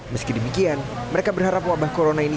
meski demikian mereka berharap wabah corona ini